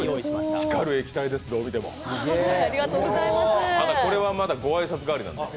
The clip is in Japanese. ただ、これはまだご挨拶代わりなんです。